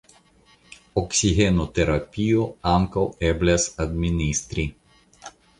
Oksigenoterapio ankaŭ eblas administri.